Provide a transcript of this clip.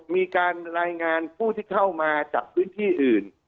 มีการรายงานผู้ที่เข้ามาจากพื้นที่อื่น